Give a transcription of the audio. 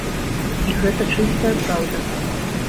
І гэта чыстая праўда.